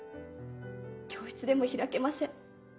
教室でも開けません。